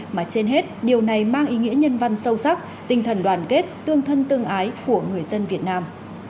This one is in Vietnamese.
mà trên hết điều này mang ý nghĩa nhân văn sâu sắc tinh thần đoàn kết tương thân tương ái của người dân việt nam